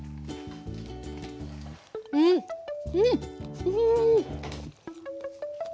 うんうん！